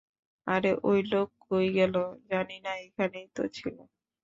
আরে ওই লোক কই গেল, - জানি না, এখানেই তো ছিল।